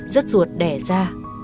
rất ruột đẻ ra